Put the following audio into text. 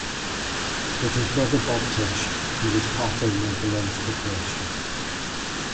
With his brother Bob Tisch, he was part owner of the Loews Corporation.